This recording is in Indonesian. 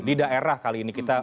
di daerah kali ini